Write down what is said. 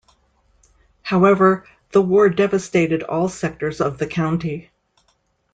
However, the war devastated all sectors of the county.